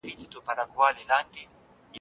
مطالعه انسان ته د وینا کولو جرات ورکوي.